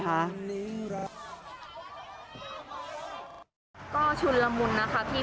ก็ชุดระมุนครับพี่